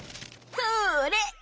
それ！